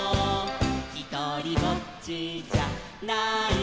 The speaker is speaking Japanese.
「ひとりぼっちじゃないさ」